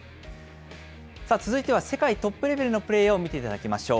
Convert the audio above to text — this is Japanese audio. さあ、続いては世界トップレベルのプレーを見ていただきましょう。